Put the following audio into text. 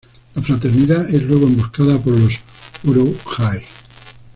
La Fraternidad es luego emboscada por los Uruk-hai.